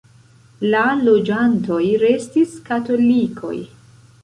La loĝantoj restis katolikoj.